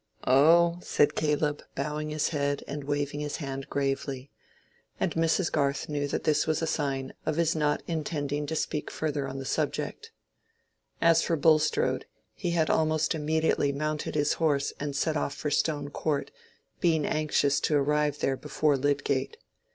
"Oh," said Caleb, bowing his head and waving his hand gravely. And Mrs. Garth knew that this was a sign of his not intending to speak further on the subject. As for Bulstrode, he had almost immediately mounted his horse and set off for Stone Court, being anxious to arrive there before Lydgate.